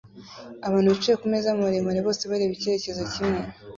Abantu bicaye kumeza maremare bose bareba icyerekezo kimwe